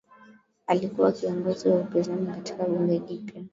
Alikuwa kiongozi wa upinzani katika bunge jipya